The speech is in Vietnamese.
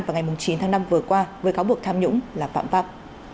vào ngày chín tháng năm vừa qua với cáo buộc tham nhũng là phạm pháp